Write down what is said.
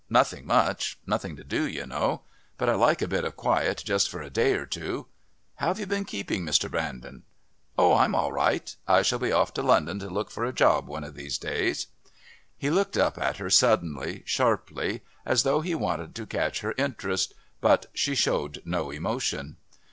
"Nothing much. Nothing to do, you know. But I like a bit of quiet just for a day or two. How've you been keeping, Mr. Brandon?" "Oh, I'm all right. I shall be off to London to look for a job one of these days." He looked up at her suddenly, sharply, as though he wanted to catch her interest. But she showed no emotion.